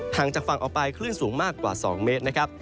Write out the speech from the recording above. จากฝั่งออกไปคลื่นสูงมากกว่า๒เมตรนะครับ